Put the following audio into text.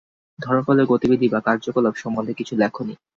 ধর্মপালের গতিবিধি বা কার্যকলাপ সম্বন্ধে কিছু লেখনি।